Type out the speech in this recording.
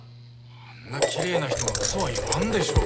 あんなきれいな人がウソは言わんでしょう。